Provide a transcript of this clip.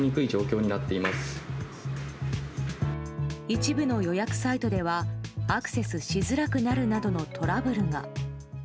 一部の予約サイトではアクセスしづらくなるなどのトラブルが。